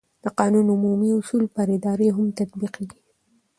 د قانون عمومي اصول پر ادارې هم تطبیقېږي.